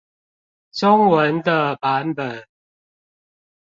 中文的版本